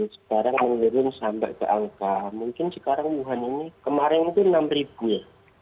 sekarang menurun sampai ke angka mungkin sekarang wuhan ini kemarin itu enam ribu ya